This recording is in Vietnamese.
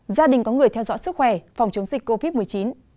gia đình có người theo dõi sức khỏe phòng chống dịch covid một mươi chín